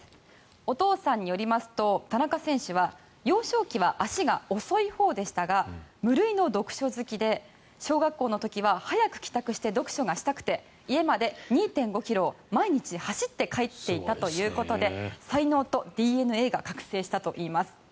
お父さんによりますと田中選手は幼少期は足が遅いほうでしたが無類の読書好きで小学校の時は早く帰宅して読書がしたくて家まで２．５ｋｍを毎日走って帰っていたということで才能とＤＮＡが覚醒したといいます。